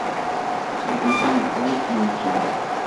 Habita en Nepal y en China.